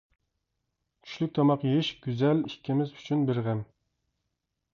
چۈشلۈك تاماق يېيىش گۈزەل ئىككىمىز ئۈچۈن بىر غەم.